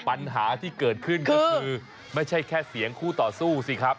ปัญหาที่เกิดขึ้นก็คือไม่ใช่แค่เสียงคู่ต่อสู้สิครับ